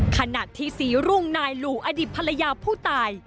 ขณะที่ศรีรุ่งนายหลูอดีตภรรยาผู้ตาย